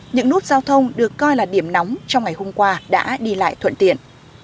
những nút giao thông được coi là điểm nóng trong ngày hôm qua đã đi lại thuận tiện